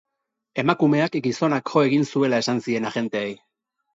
Emakumeak gizonak jo egin zuela esan zien agenteei.